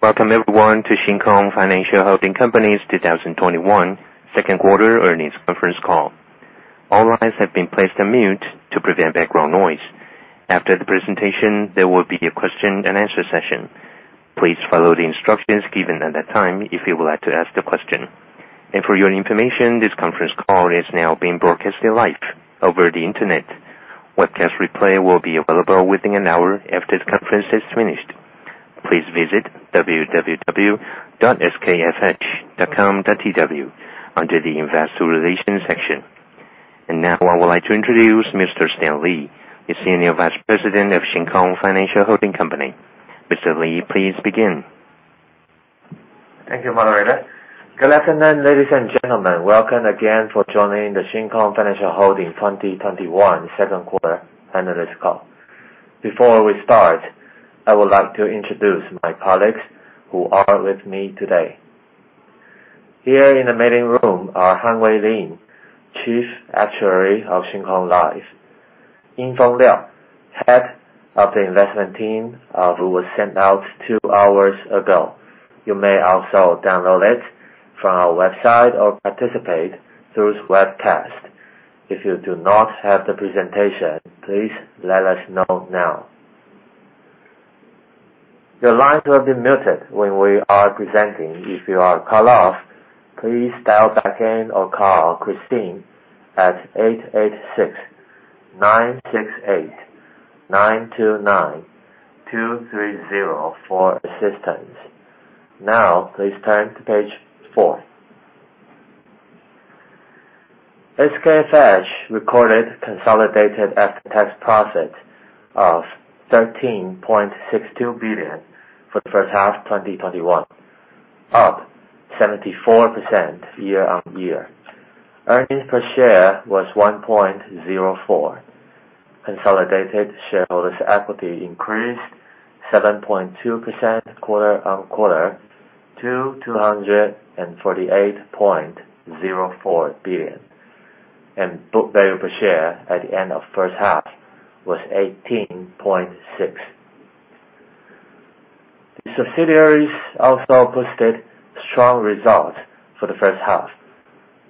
Welcome everyone to Shin Kong Financial Holding Company's 2021 second quarter earnings conference call. All lines have been placed on mute to prevent background noise. After the presentation, there will be a question-and-answer session. Please follow the instructions given at that time if you would like to ask the question. For your information, this conference call is now being broadcasted live over the internet. Webcast replay will be available within an hour after the conference is finished. Please visit www.skfh.com.tw under the investor relations section. Now I would like to introduce Mr. Stan Lee, the Senior Vice President of Shin Kong Financial Holding Company. Mr. Lee, please begin. Thank you, moderator. Good afternoon, ladies and gentlemen. Welcome again for joining the Shin Kong Financial Holding 2021 second quarter analyst call. Before we start, I would like to introduce my colleagues who are with me today. Here in the meeting room are Han-Wei Lin, Chief Actuary of Shin Kong Life, En-Fon Liao, Head of the investment team of... was sent out two hours ago. You may also download it from our website or participate through webcast. If you do not have the presentation, please let us know now. Your lines will be muted when we are presenting. If you are cut off, please dial back in or call Christine at 886-968-929-230 for assistance. Now, please turn to page four. SKFH recorded consolidated after-tax profits of 13.62 billion for the first half of 2021, up 74% year-on-year. Earnings per share was 1.04. Consolidated shareholders' equity increased 7.2% quarter-on-quarter to 248.04 billion. Book value per share at the end of the first half was 18.6. The subsidiaries also posted strong results for the first half,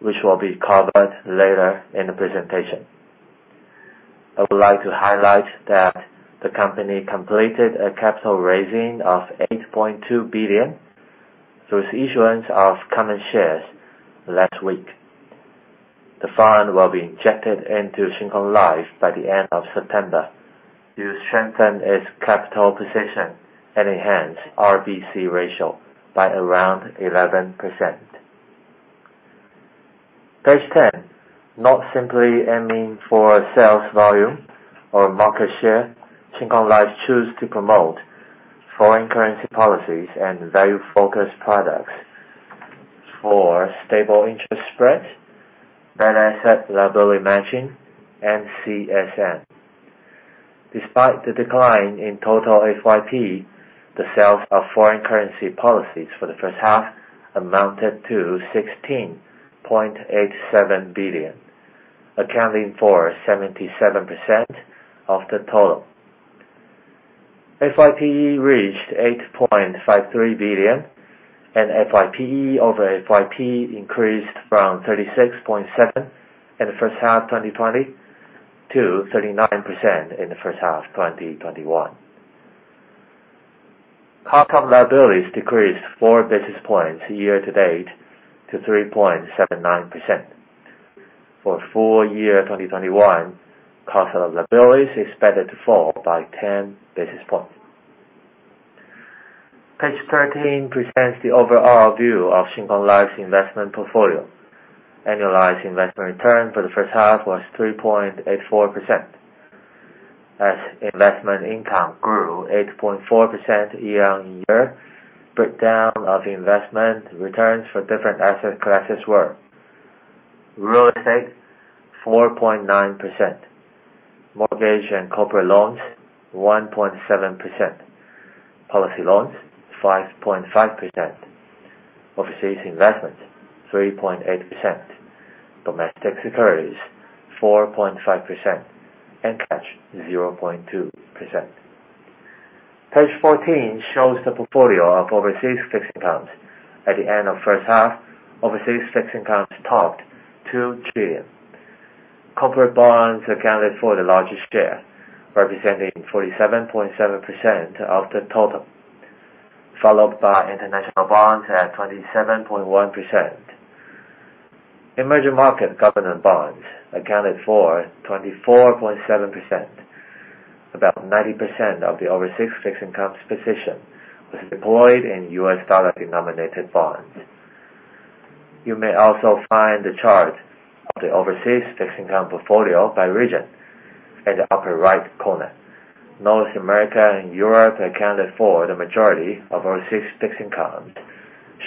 which will be covered later in the presentation. I would like to highlight that the company completed a capital raising of 8.2 billion through the issuance of common shares last week. The fund will be injected into Shin Kong Life by the end of September to strengthen its capital position and enhance our RBC ratio by around 11%. Page 10. Not simply aiming for sales volume or market share, Shin Kong Life choose to promote foreign currency policies and value-focused products for stable interest spreads and asset liability matching and CSM. Despite the decline in total FYP, the sales of foreign currency policies for the first half amounted to 16.87 billion, accounting for 77% of the total. FYPE reached TWD 8.53 billion, and FYPE over FYP increased from 36.7% in the first half of 2020 to 39% in the first half of 2021. Cost of liabilities decreased 4 basis points year-to-date to 3.79%. For full-year 2021, cost of liabilities is expected to fall by 10 basis points. Page 13 presents the overall view of Shin Kong Life's investment portfolio. Annualized investment return for the first half was 3.84%. As investment income grew 8.4% year-on-year, breakdown of investment returns for different asset classes were real estate 4.9%, mortgage and corporate loans 1.7%, policy loans 5.5%, overseas investment 3.8%, domestic securities 4.5%, and cash 0.2%. Page 14 shows the portfolio of overseas fixed incomes. At the end of the first half, overseas fixed incomes topped 2 trillion. Corporate bonds accounted for the largest share, representing 47.7% of the total, followed by international bonds at 27.1%. Emerging market government bonds accounted for 24.7%. About 90% of the overseas fixed incomes position was deployed in U.S. dollar-denominated bonds. You may also find the chart of the overseas fixed income portfolio by region in the upper right corner. North America and Europe accounted for the majority of overseas fixed income,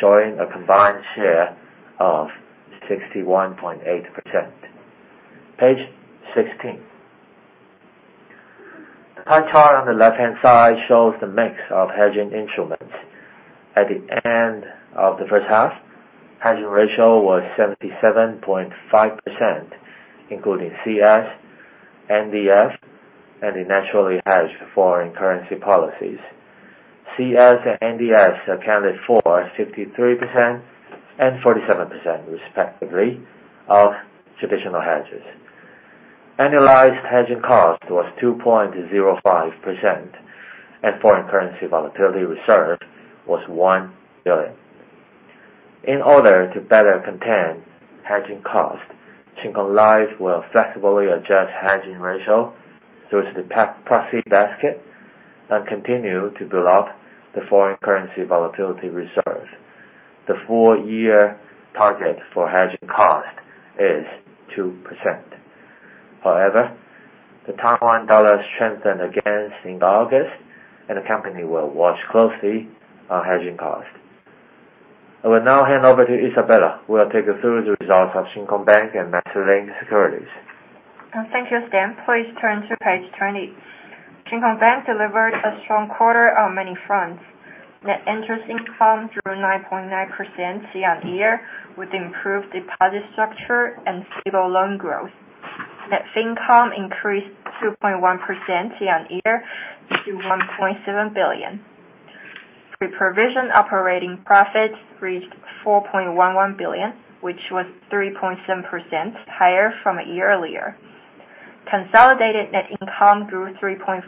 showing a combined share of 61.8%. Page 16. The pie chart on the left-hand side shows the mix of hedging instruments. At the end of the first half, the hedging ratio was 77.5%, including CS, NDF, and it naturally hedged foreign currency policies. CS and NDF accounted for 53% and 47%, respectively, of traditional hedges. Annualized hedging cost was 2.05%, and foreign currency volatility reserve was 1 billion. In order to better contain hedging cost, Shin Kong Life will flexibly adjust hedging ratio through the proxy basket and continue to build out the foreign currency volatility reserve. The full-year target for hedge cost is 2%. However, the Taiwan dollar strengthened again in August, and the company will watch closely on hedging cost. I will now hand over to Isabella, who will take you through the results of Shin Kong Bank and MasterLink Securities. Thank you, Stan. Please turn to page 20. Shin Kong Bank delivered a strong quarter on many fronts. Net interest income grew 9.9% year-on-year, with improved deposit structure and stable loan growth. Net fee income increased 2.1% year-on-year to 1.7 billion. Pre-provision operating profit reached 4.11 billion, which was 3.7% higher from a year earlier. Consolidated net income grew 3.4%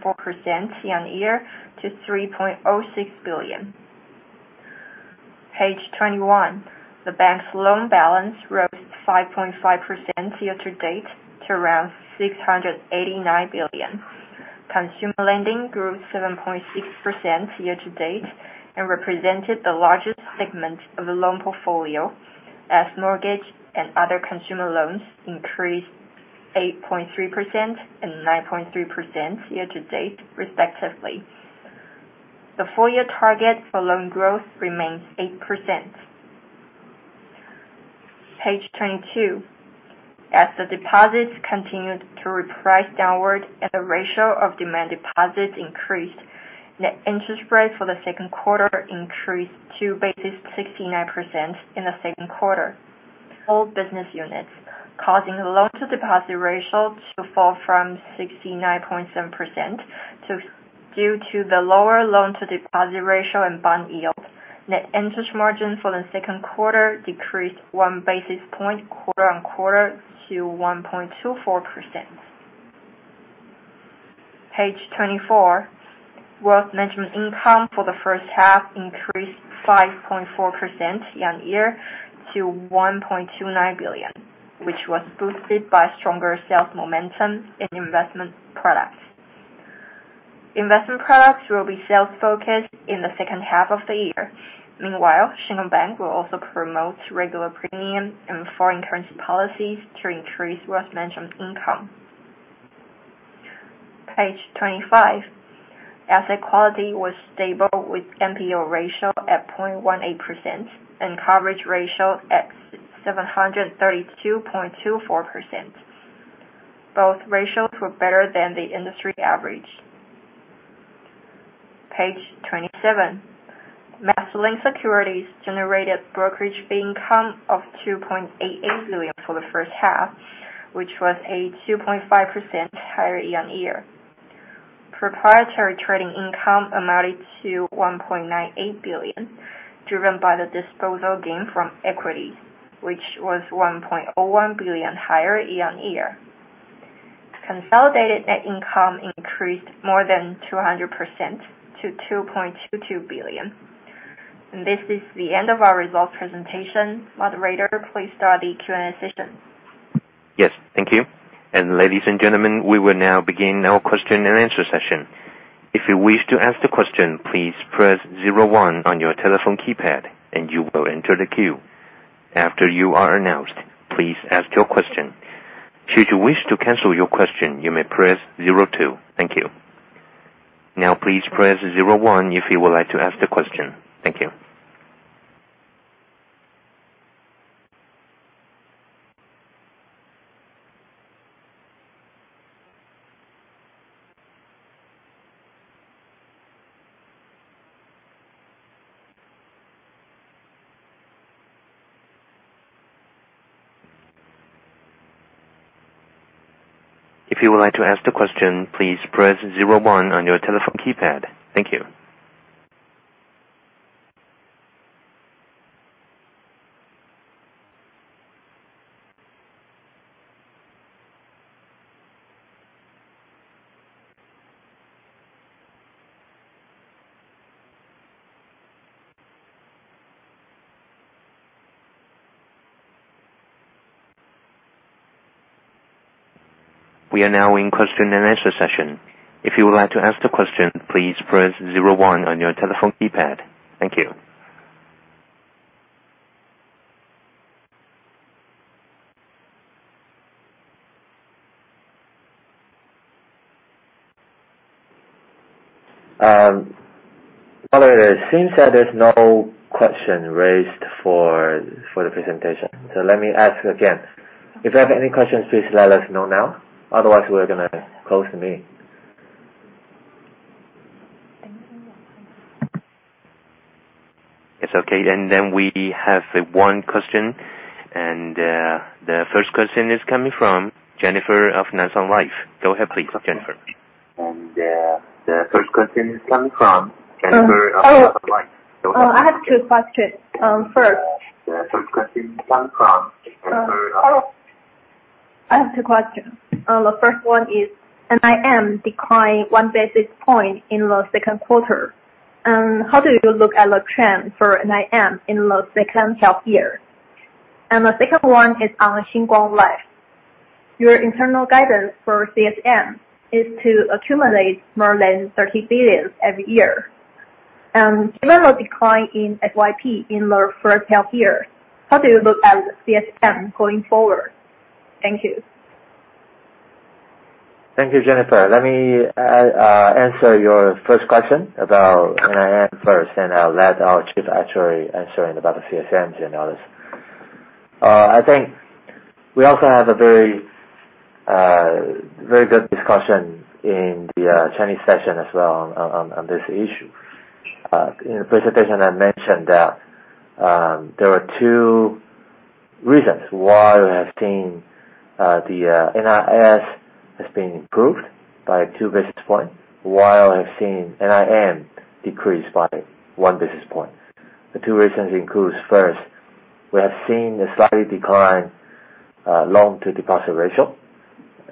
year-on-year to TWD 3.06 billion. Page 21. The bank's loan balance rose 5.5% year-to-date to around 689 billion. Consumer lending grew 7.6% year-to-date and represented the largest segment of the loan portfolio as mortgage and other consumer loans increased 8.3% and 9.3% year-to-date respectively. The full-year target for loan growth remains 8%. Page 22. As the deposits continued to reprice downward and the ratio of demand deposits increased, net interest spread for the second quarter increased 2.69% in the second quarter-... all business units, causing the loan-to-deposit ratio to fall from 69.7%. Due to the lower loan-to-deposit ratio and bond yields, net interest margin for the second quarter decreased 1 basis point quarter-on-quarter to 1.24%. Page 24. Wealth management income for the first half increased 5.4% year-on-year to 1.29 billion, which was boosted by stronger sales momentum in investment products. Investment products will be sales-focused in the second half of the year. Meanwhile, Shin Kong Bank will also promote regular premium and foreign currency policies to increase wealth management income. Page 25. Asset quality was stable, with NPL ratio at 0.18% and coverage ratio at 732.24%. Both ratios were better than the industry average. Page 27. MasterLink Securities generated brokerage fee income of 2.88 billion for the first half, which was 82.5% higher year-on-year. Proprietary trading income amounted to 1.98 billion, driven by the disposal gain from equities, which was 1.01 billion higher year-on-year. Consolidated net income increased more than 200% to 2.22 billion. This is the end of our results presentation. Moderator, please start the Q&A session. Yes, thank you. Ladies and gentlemen, we will now begin our question-and-answer session. If you wish to ask the question, please press zero one on your telephone keypad and you will enter the queue. After you are announced, please ask your question. Should you wish to cancel your question, you may press zero two. Thank you. It seems that there's no question raised for the presentation. Let me ask again. If you have any questions, please let us know now. Otherwise, we're going to close the meeting. It's okay. We have one question, the first question is coming from [Jennifer] of Nan Shan Life. Go ahead please, Jennifer. I have two questions. First- I have two questions. The first one is, NIM declined 1 basis point in the second quarter. How do you look at the trend for NIM in the second half year? The second one is on Shin Kong Life. Your internal guidance for CSM is to accumulate more than 30 billion every year. Given the decline in FYP in the first half year, how do you look at CSM going forward? Thank you. Thank you, [Jennifer]. Let me answer your first question about NIM first, and I'll let our Chief Actuary answer about the CSMs and others. I think we also have a very good discussion in the Chinese session as well on this issue. In the presentation, I mentioned that there are two reasons why we have seen the NIS has been improved by 2 basis points, while I have seen NIM decrease by 1 basis point. The two reasons includes, first, we have seen a slight decline loan-to-deposit ratio.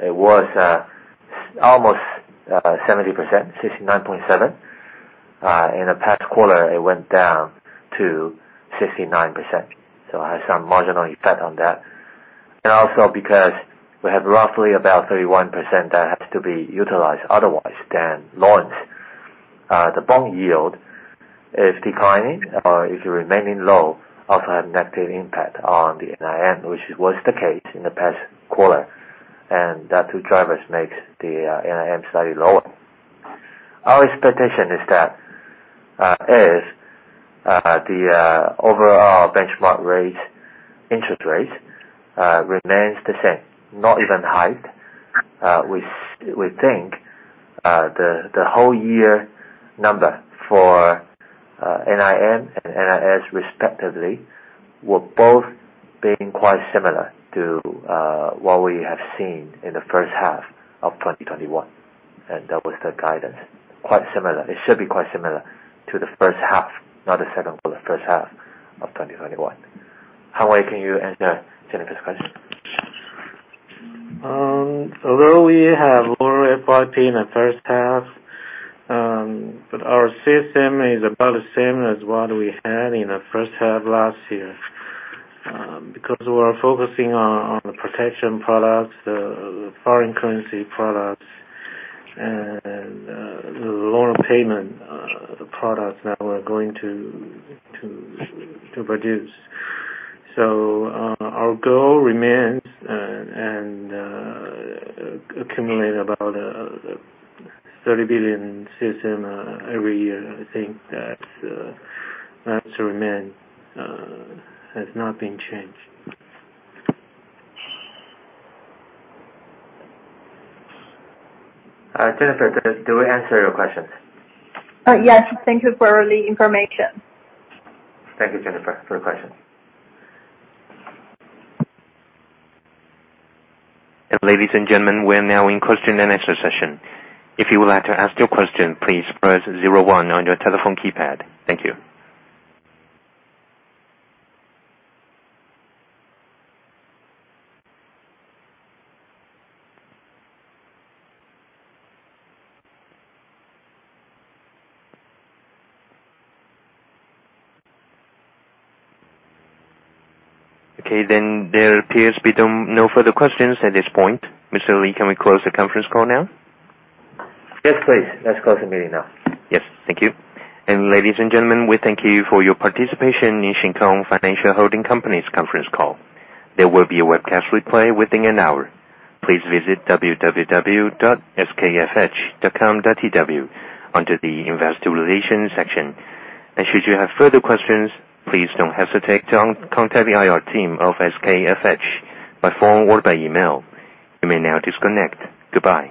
It was almost 70%, 69.7%. In the past quarter, it went down to 69%, so it has some marginal effect on that. Also because we have roughly about 31% that has to be utilized otherwise than loans. The bond yield is declining or is remaining low, also have negative impact on the NIM, which was the case in the past quarter. That two drivers makes the NIM slightly lower. Our expectation is that as the overall benchmark interest rate remains the same, not even hiked, we think the whole year number for NIM and NIS respectively, were both being quite similar to what we have seen in the first half of 2021. That was the guidance. It should be quite similar to the first half, not the second, but the first half of 2021. Han-Wei, can you answer [Jennifer]'s question? Although we have lower FYP in the first half, our CSM is about the same as what we had in the first half last year. Because we are focusing on the protection products, the foreign currency products, and the loan payment products that we're going to produce. Our goal remains and accumulate about 30 billion CSM every year. I think that will remain, has not been changed. [Jennifer], did we answer your questions? Yes. Thank you for the information. Thank you, [Jennifer], for your question. Ladies and gentlemen, we're now in question-and-answer session. If you would like to ask your question, please press zero one on your telephone keypad. Thank you. There appears to be no further questions at this point. Mr. Lee, can we close the conference call now? Yes, please. Let's close the meeting now. Yes. Thank you. Ladies and gentlemen, we thank you for your participation in Shin Kong Financial Holding Company's conference call. There will be a webcast replay within an hour. Please visit www.skfh.com.tw under the investor relations section. Should you have further questions, please don't hesitate to contact the IR team of SKFH by phone or by email. You may now disconnect. Goodbye.